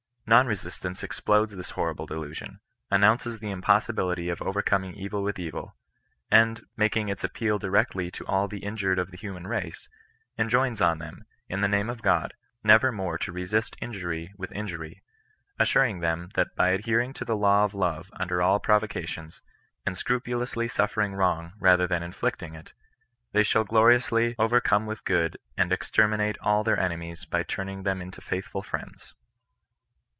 Non resistance explodes this horrible delusion ; announces the impossibility of overcoming evil with evU : and, making its appeal directly to all the in jured of the human race, enjoins on them, in the name of God, never more to resist injury with injury; assur ing them, that by adhering to the law of love under all provocations, and scrupulously suffering wrong, rather than inflicting it, they shall gloriously " overcome evil with good," and exterminate all their enemies by turn ing them into faithful friends.